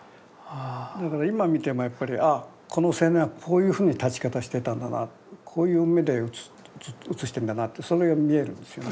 だから今見てもやっぱりああこの青年はこういうふうに立ち方してたんだなこういう目で写してんだなってそれが見えるんですよね。